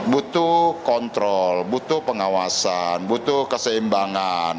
butuh kontrol butuh pengawasan butuh keseimbangan